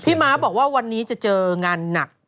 ม้าบอกว่าวันนี้จะเจองานหนัก